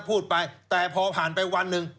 พูดไปแต่พอผ่านไปวันหนึ่ง